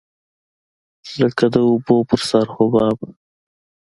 لکه د اوبو په سر حباب.